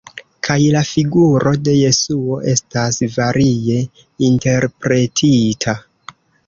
Kaj la figuro de Jesuo estas varie interpretita.